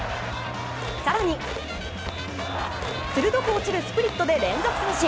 更に、鋭く落ちるスプリットで連続三振。